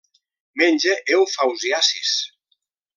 Menja eufausiacis.